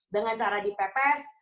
dengan cara dipepes